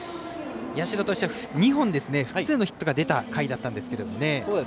社としては２本複数のヒットが出た回だったんですが。